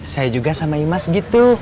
saya juga sama imas gitu